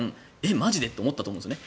マジでと思ったと思うんですよね。